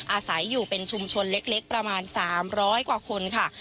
อาศัยอยู่เป็นชุมชนเล็กเล็กประมาณสามร้อยกว่าคนค่ะ